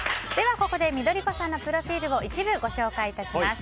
ここで緑子さんのプロフィールを一部ご紹介します。